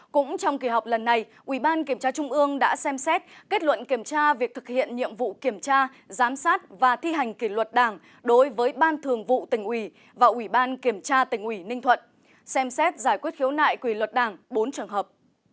cũng trong kỳ họp lần này ubkt đã xem xét kết luận kiểm tra việc thực hiện nhiệm vụ kiểm tra giám sát và thi hành kỷ luật đảng đối với ban thường vụ tình uỷ và ubkt tình uỷ ninh thuận xem xét giải quyết khiếu nại quỷ luật đảng bốn trường hợp